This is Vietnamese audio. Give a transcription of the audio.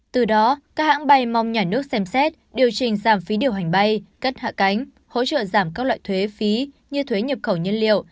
từ đó các hãng bay mong nhà nước xem xét điều chỉnh giảm phí điều hành bay cất hạ cánh hỗ trợ giảm các loại thuế phí như thuế nhập khẩu nhân liệu